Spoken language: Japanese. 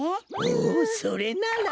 おそれなら！